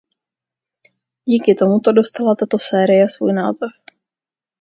Díky tomuto dostala tato série svůj název.